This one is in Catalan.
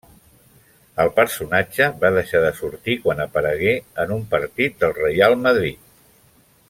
El personatge va deixar de sortir quan aparegué en un partit del Reial Madrid.